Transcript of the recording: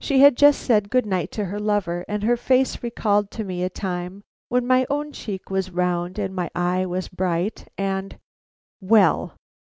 She had just said good night to her lover, and her face recalled to me a time when my own cheek was round and my eye was bright and Well!